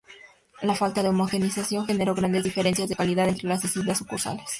La falta de homogeneización generó grandes diferencias de calidad entre las distintas sucursales.